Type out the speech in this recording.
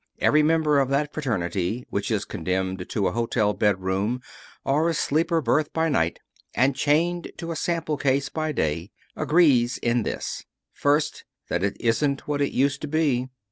Every member of that fraternity which is condemned to a hotel bedroom, or a sleeper berth by night, and chained to a sample case by day agrees in this, first: That it isn't what it used to be.